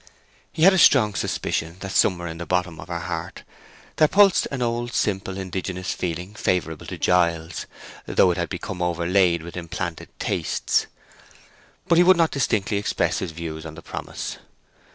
He had a strong suspicion that somewhere in the bottom of her heart there pulsed an old simple indigenous feeling favorable to Giles, though it had become overlaid with implanted tastes. But he would not distinctly express his views on the promise.